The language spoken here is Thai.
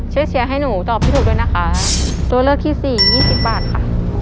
เชียร์ให้หนูตอบให้ถูกด้วยนะคะตัวเลือกที่สี่ยี่สิบบาทค่ะ